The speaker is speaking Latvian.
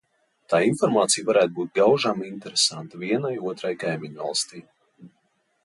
Tā informācija varētu būt gaužām interesanta vienai otrai kaimiņvalstij.